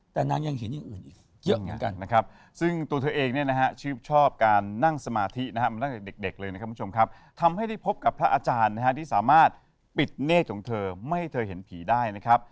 แต่นางยังเห็นอย่างอื่นอีกเยอะเหมือนกัน